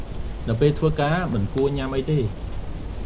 នៅពេលធ្វើការ មិនគួរញ៉ាំទេ ។